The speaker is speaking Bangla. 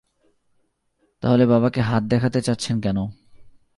তাহলে বাবাকে হাত দেখাতে চাচ্ছেন কেন?